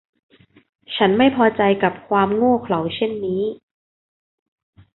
ฉันไม่พอใจกับความโง่เขลาเช่นนี้